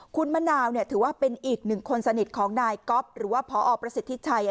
คุณมะนาวถือว่าเป็นอีกหนึ่งคนสนิทของนายก๊อฟหรือว่าพอประสิทธิชัย